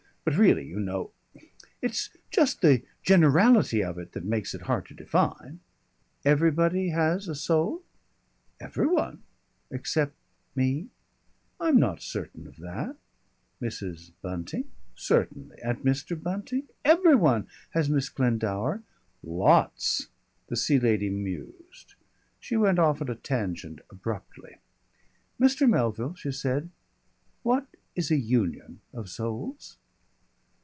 "But really you know It's just the generality of it that makes it hard to define." "Everybody has a soul?" "Every one." "Except me?" "I'm not certain of that." "Mrs. Bunting?" "Certainly." "And Mr. Bunting?" "Every one." "Has Miss Glendower?" "Lots." The Sea Lady mused. She went off at a tangent abruptly. "Mr. Melville," she said, "what is a union of souls?"